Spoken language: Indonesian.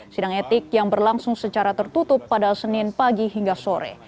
sidang etik yang berlangsung secara tertutup pada senin pagi hingga sore